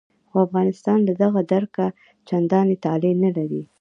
خو افغانستان له دغه درکه چندانې طالع نه لري.